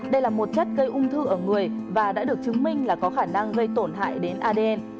đây là một chất gây ung thư ở người và đã được chứng minh là có khả năng gây tổn hại đến adn